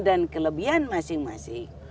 dan kelebihan masing masing